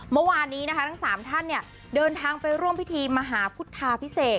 เมื่อวานนี้นะคะทั้ง๓ท่านเดินทางไปร่วมพิธีมหาพุทธาพิเศษ